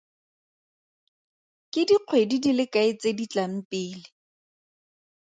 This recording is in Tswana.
Ke dikgwedi di le kae tse di tlang pele?